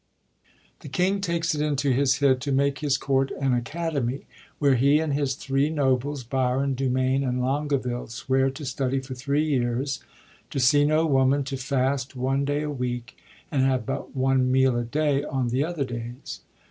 The king takes it into his head to make his Court an Academy, where he and his three nobles, Biron, Dumain and Longaville, swear to study for three years, to see no woman, to fast one day a week, and have but one meal a day on the other days.